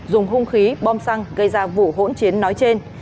dùng hung khí bom xăng gây ra vụ hỗn chiến nói trên